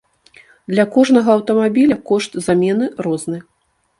Для кожнага аўтамабіля кошт замены розны.